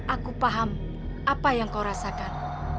aku paham apa yang kau rasakan